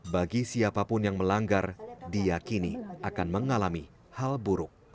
bagi siapapun yang melanggar diakini akan mengalami hal buruk